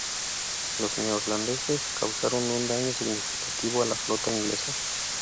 Los neerlandeses causaron un daño significativo a la flota inglesa.